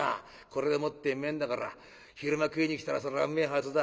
これでもってうめえんだから昼間食いに来たらそれはうめえはずだ。